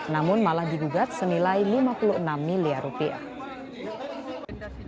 namun malah digugat senilai lima puluh enam miliar rupiah